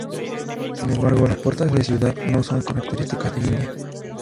Sin embargo, las puertas de ciudad no son características de India.